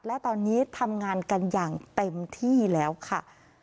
และตอนนี้ทำงานกันอย่างเต็มที่แล้วค่ะ